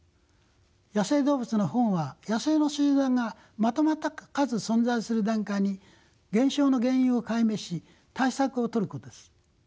野生動物の保護は野生の集団がまとまった数存在する段階に減少の原因を解明し対策を取ることです。